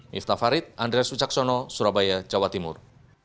miftah farid andres ucaksono surabaya jawa timur